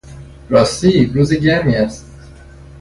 راستی روز گرمی است!